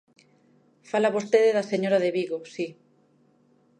Fala vostede da señora de Vigo, si.